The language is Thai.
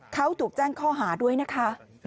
เขาถูกแจ้งข้อหาด้วยนะคะ